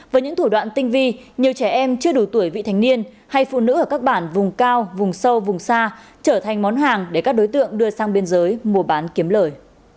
với những thủ đoạn tinh vi nhiều trẻ em chưa đủ tuổi vị thành niên hay phụ nữ ở các bản vùng cao vùng sâu vùng xa trở thành món hàng để các đối tượng đưa sang biên giới mua bán kiếm lời